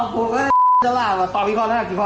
เพิ่งเก่งกว่าตอบถูก